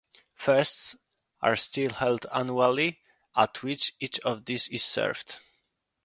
Feasts are still held annually at which each of these is served.